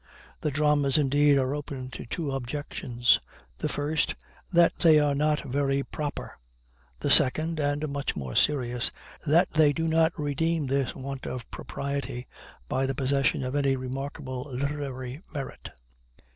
The dramas indeed are open to two objections the first, that they are not very "proper;" the second, and much more serious, that they do not redeem this want of propriety by the possession of any remarkable literary merit.